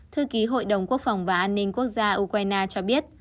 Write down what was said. thư ký hội đồng quốc phòng và an ninh quốc gia ukraine cho biết